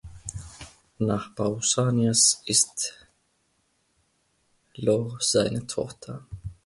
Nach Pausanias ist Io seine Tochter.